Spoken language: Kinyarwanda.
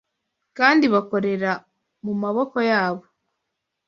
kandi bakorera mu maboko yabo